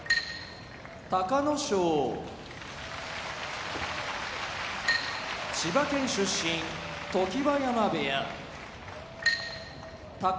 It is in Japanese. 隆の勝千葉県出身常盤山部屋宝